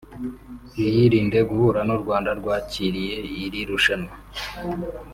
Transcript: biyirinde guhura n’u Rwanda rwakiriye iri rushanwa